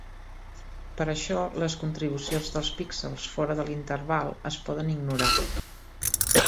Per això, les contribucions dels píxels fora de l'interval es poden ignorar.